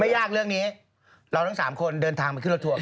ไม่ยากแล้วเนี้ยเราทั้งคนเดินทางมาขึ้นรถทวง